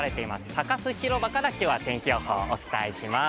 サカス広場から今日は天気予報をお伝えします